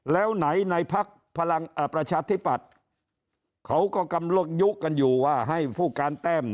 แล้วไหนในพักพลังประชาธิปัตย์เขาก็กำเลิกยุกันอยู่ว่าให้ผู้การแต้ม